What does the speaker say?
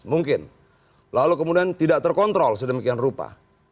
mungkin lalu kemudian tidak terkontrol sedemikian rupa